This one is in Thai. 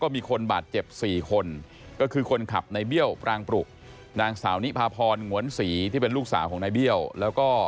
มีคนบาดเจ็บ๔คนก็คือคนขับในเบี้ยวปรางปรุนางสาวนิพาพรหงวนศรีที่เป็นลูกสาวของนายเบี้ยวแล้วก็